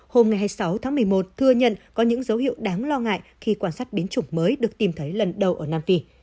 hôm hai mươi sáu tháng một mươi một thừa nhận có những dấu hiệu đáng lo ngại khi quan sát biến chủng mới được tìm thấy lần đầu ở nam phi